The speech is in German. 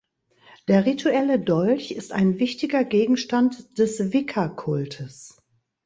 Der rituelle Dolch ist ein wichtiger Gegenstand des Wicca-Kultes.